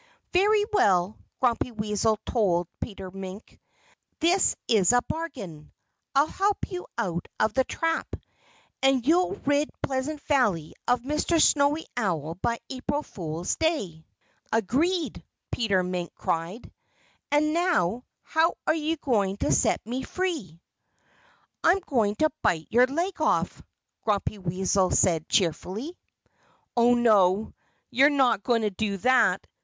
"Very well!" Grumpy Weasel told Peter Mink. "This is a bargain. I'll help you out of the trap. And you'll rid Pleasant Valley of Mr. Snowy Owl by April Fool's Day." "Agreed!" Peter Mink cried. "And now, how are you going to set me free?" "I'm going to bite your leg off," Grumpy Weasel said cheerfully. "Oh, no! You're not going to do that!"